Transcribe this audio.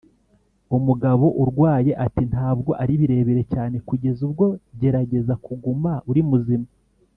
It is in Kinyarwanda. umugabo urwaye ati: 'ntabwo ari birebire cyane.' kugeza ubwo gerageza kuguma uri muzima.